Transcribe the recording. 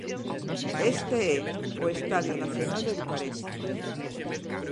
E este é o Estadio Nacional de Bucarest.